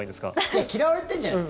いや嫌われてるんじゃない。